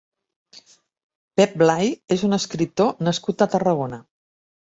Pep Blay és un escriptor nascut a Tarragona.